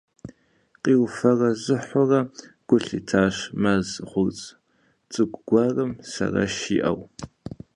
Къиуфэрэзыхьурэ гу лъитащ мэз гъурц цӀыкӀу гуэрым сэрэш иӀэу.